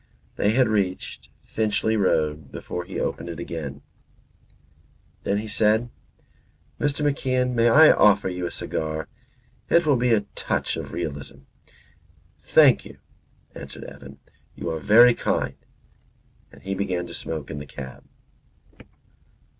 They had reached Finchley Road before he opened it again. Then he said, "Mr. MacIan, may I offer you a cigar. It will be a touch of realism." "Thank you," answered Evan. "You are very kind." And he began to smoke in the cab.